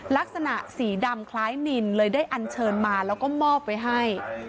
ลักษณะสีดำคล้ายนินเลยได้อันเชิญมาแล้วก็มอบไว้ให้